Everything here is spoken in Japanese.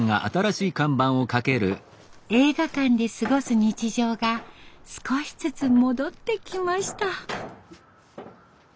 映画館で過ごす日常が少しずつ戻ってきました。